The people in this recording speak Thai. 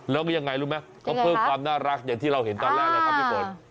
แล้วยังไงรู้ไหมเขาเพิ่มความน่ารักอย่างที่เราเห็นตอนแรกนะครับพี่ฝน